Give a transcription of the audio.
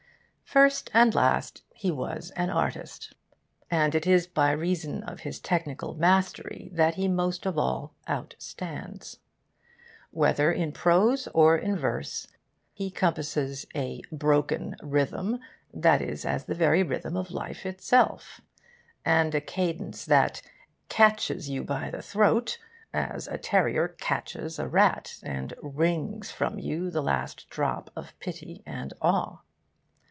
First and last, he was an artist, and it is by reason of his technical mastery that he most of all outstands. Whether in prose or in verse, he compasses a broken rhythm that is as the very rhythm of life itself, and a cadence that catches you by the throat, as a terrier catches a rat, and wrings from you the last drop of pity and awe.